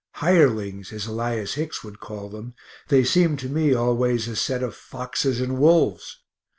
(hirelings, as Elias Hicks would call them they seem to me always a set of foxes and wolves).